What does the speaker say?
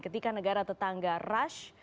ketika negara tetangga rush